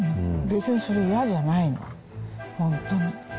別にそれ嫌じゃないの、本当に。